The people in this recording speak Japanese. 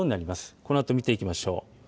このあと見ていきましょう。